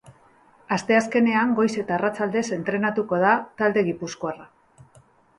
Asteazkenean goiz eta arratsaldez entrenatuko da talde gipuzkoarra.